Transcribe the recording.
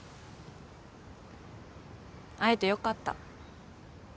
会えてよかった。